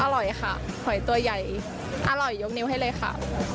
อร่อยค่ะหอยตัวใหญ่อร่อยยกนิ้วให้เลยค่ะ